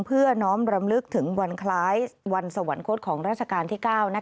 เพื่อน้อมรำลึกถึงวันคล้ายวันสวรรคตของราชการที่๙